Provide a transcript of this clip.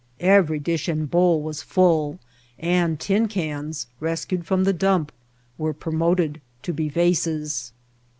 Every dish and bowl was full and tin cans rescued from the dump were promoted to be vases.